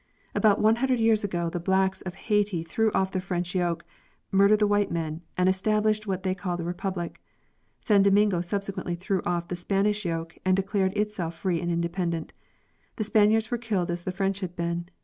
About one hundred years ago the blacks of Haiti threw off the French yoke, murdered the white men, and established what they called a republic. San Domingo subsequently threw off the Spanish yoke and declared itself free and independent. The Spaniards were killed as the French had been.